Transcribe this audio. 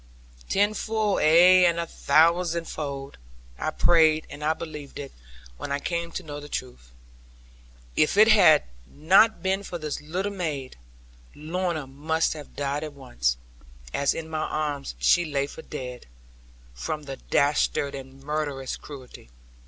Tenfold, ay and a thousandfold, I prayed and I believed it, when I came to know the truth. If it had not been for this little maid, Lorna must have died at once, as in my arms she lay for dead, from the dastard and murderous cruelty.